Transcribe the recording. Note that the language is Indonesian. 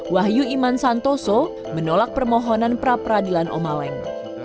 wahyu iman santoso menolak permohonan praperadilan om maleng